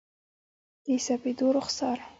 د سپېدو رخسار،